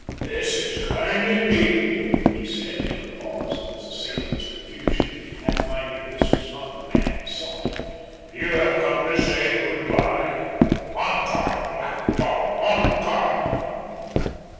"This is kind, indeed," he said in a pause of his assailant's confusion at finding this was not the man he sought. "You have come to say 'Goodbye.' On guard, black dog, on guard!"